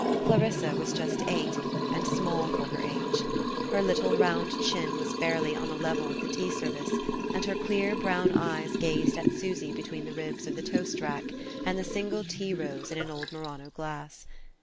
Clarissa was just eight, and small for her age: her little round chin was barely on a level with the tea service, and her clear brown eyes gazed at Susy between the ribs of the toast rack and the single tea rose in an old Murano glass.